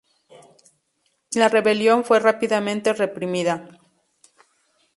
La rebelión fue rápidamente reprimida.